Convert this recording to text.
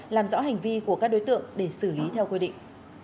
làm rõ hành vi của các đối tượng để xử lý theo quy định